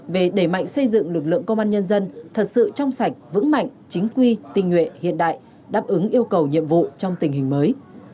về đẩy mạnh xây dựng lực lượng công an nhân dân thật sự trong sạch vững mạnh chính quy tình nguyện hiện đại đáp ứng yêu cầu nhiệm vụ trong tình hình mới